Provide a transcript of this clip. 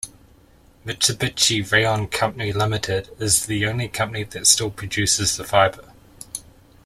Mitsubishi Rayon Company, Limited, is the only company that still produces the fiber.